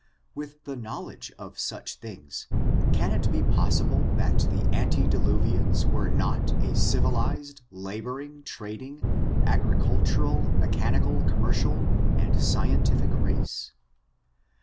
With the knowledge of such things, can it be pos sible that the antediluvians were not a civilized, la boring, trading, agricultural, mechanical, commefcial, and scientific race